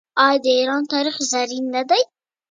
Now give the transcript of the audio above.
آیا د ایران تاریخ زرین نه دی؟